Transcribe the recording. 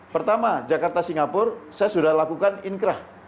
pertama jakarta singapura saya sudah lakukan inkrah